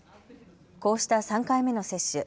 こうした３回目の接種。